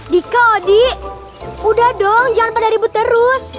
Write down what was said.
dika odi udah dong jangan pada ribut terus